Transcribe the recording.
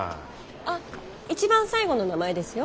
あっ一番最後の名前ですよ。